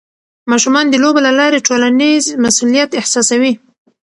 ماشومان د لوبو له لارې ټولنیز مسؤلیت احساسوي.